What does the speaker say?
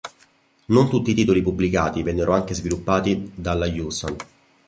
Non tutti i titoli pubblicati vennero anche sviluppati dalla Hewson.